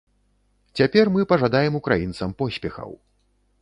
Цяпер мы пажадаем украінцам поспехаў.